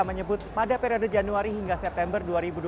menyebut pada periode januari hingga september dua ribu dua puluh